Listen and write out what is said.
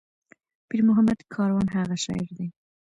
پير محمد کاروان هغه شاعر دى